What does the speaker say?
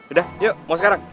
udah yuk mau sekarang